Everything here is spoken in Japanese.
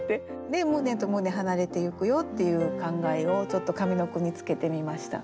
で「胸と胸はなれてゆくよ」っていう感慨をちょっと上の句につけてみました。